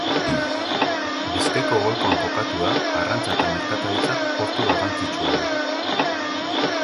Bizkaiko golkoan kokatua, arrantza eta merkataritza portu garrantzitsua du.